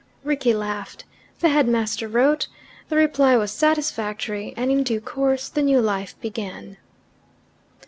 Rickie laughed; the headmaster wrote, the reply was satisfactory, and in due course the new life began.